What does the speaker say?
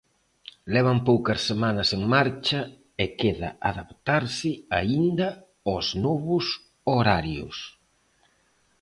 Levan poucas semanas en marcha e queda adaptarse aínda aos novos horarios.